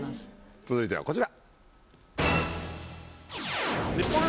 続いてはこちら。